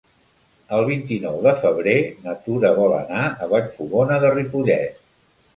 El vint-i-nou de febrer na Tura vol anar a Vallfogona de Ripollès.